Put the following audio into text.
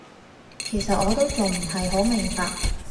其實我都仲唔係好明白